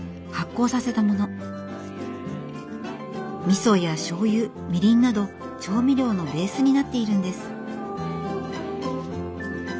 みそやしょうゆみりんなど調味料のベースになっているんです。